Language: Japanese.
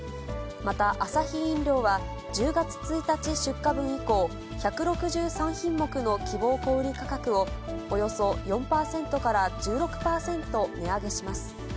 また、アサヒ飲料は、１０月１日出荷分以降、１６３品目の希望小売り価格をおよそ４％から１６％値上げします。